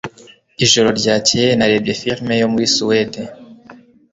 Ijoro ryakeye narebye firime yo muri Suwede